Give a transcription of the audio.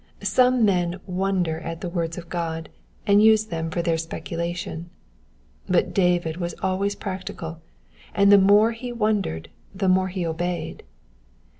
Some men wonder at the words of God, and use them for their speculation ; but David was always practical, and the more he wondered the more he obeyed.